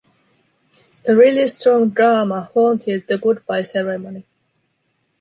A really strong drama haunted the Good-bye Ceremony.